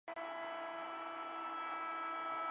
Se utiliza como un ingrediente para dar sabor y fragancia.